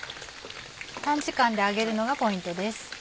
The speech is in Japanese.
短時間で揚げるのがポイントです。